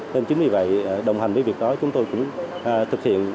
nên chính vì vậy đồng hành với việc đó chúng tôi cũng thực hiện